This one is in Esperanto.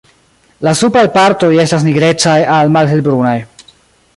La supraj partoj estas nigrecaj al malhelbrunaj.